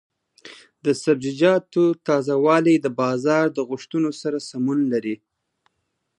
د سبزیجاتو تازه والي د بازار د غوښتنو سره سمون لري.